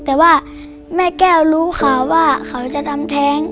แต่ว่าแม่แก้วรู้ข่าวว่าเขาจะทำแท้ง